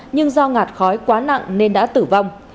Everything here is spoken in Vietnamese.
nhưng do ngạt khói quá nặng nên đã tử vong